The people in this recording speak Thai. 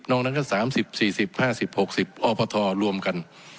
นอกนั้นก็สามสิบสี่สิบห้าสิบหกสิบออภทรรวมกัน